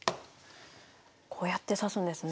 こうやって指すんですね。